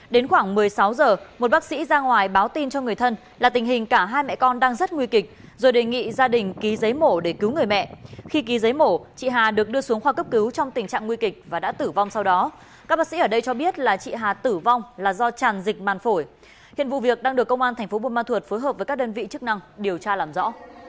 đến khoảng một mươi sáu h một bác sĩ ra ngoài báo tin cho người thân là tình hình cả hai mẹ con đang rất nguy kịch rồi đề nghị gia đình ký giấy mổ để cứu người mẹ khi ký giấy mổ chị hà được đưa xuống khoa cấp cứu trong tình trạng nguy kịch và đã tử vong sau đó các bác sĩ ở đây cho biết là chị hà tử vong là do tràn dịch màn phổi hiện vụ việc đang được công an thành phố bùi ma thuật phối hợp với các đơn vị chức năng điều tra làm rõ